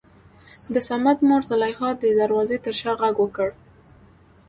دصمد مور زليخا دې دروازې تر شا غږ وکړ.